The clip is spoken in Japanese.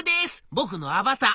僕のアバター。